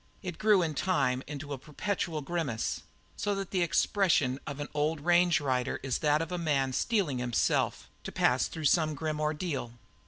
It grew in time into a perpetual grimace, so that the expression of an old range rider is that of a man steeling himself to pass through some grim ordeal.